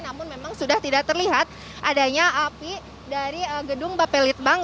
namun memang sudah tidak terlihat adanya api dari gedung bapelitbang